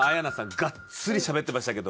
がっつりしゃべってましたけど。